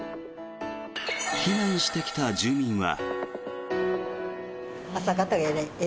避難してきた住民は。